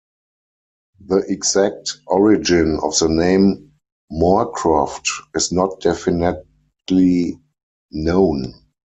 The exact origin of the name Moorcroft is not definitely known.